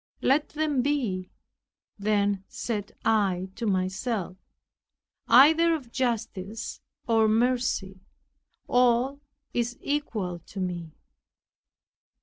"Let them be," then said I to myself, "either of justice or mercy, all is equal to me."